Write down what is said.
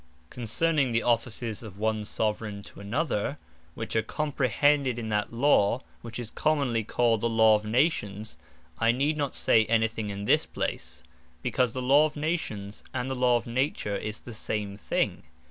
Concerning the Offices of one Soveraign to another, which are comprehended in that Law, which is commonly called the Law of Nations, I need not say any thing in this place; because the Law of Nations, and the Law of Nature, is the same thing.